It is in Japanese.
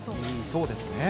そうですね。